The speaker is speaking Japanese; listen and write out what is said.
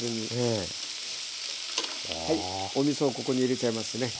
おみそをここに入れちゃいますね。